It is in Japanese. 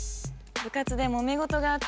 部活でもめ事があって。